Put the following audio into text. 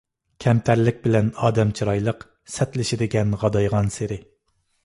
كەمتەرلىك بىلەن ئادەم چىرايلىق، سەتلىشىدىكەن غادايغانسېرى.